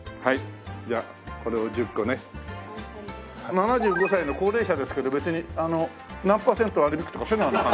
７５歳の高齢者ですけど別に何パーセント割り引くとかそういうのは？